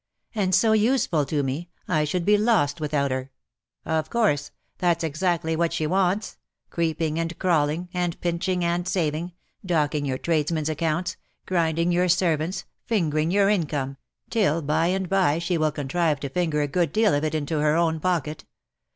'' And so useful to me ! I should be lost without her V' ^' Of course ; that's exactly what she wants : creeping and crawling — and pinching and saving — docking your tradesmen's accounts — grinding your servants — fingering your income — till, by and by, IN SOCIETY. 171 she will contrive to finger a good deal of it into her own pocket